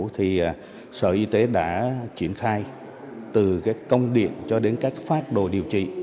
thì sở y tế đã triển khai từ công điện cho đến các phát đồ điều trị